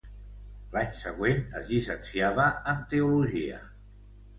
L'any següent es llicenciava en teologia.